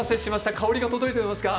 香りが届いていますか？